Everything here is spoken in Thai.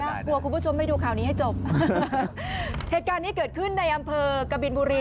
กลัวคุณผู้ชมไม่ดูข่าวนี้ให้จบเหตุการณ์นี้เกิดขึ้นในอำเภอกบินบุรี